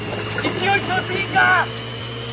勢い強すぎんか？